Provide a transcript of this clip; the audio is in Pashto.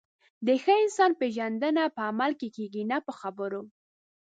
د ښه انسان پیژندنه په عمل کې کېږي، نه په خبرو.